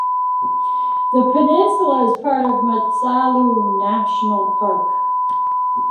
The peninsula is part of Matsalu National Park.